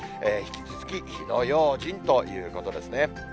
引き続き火の用心ということですね。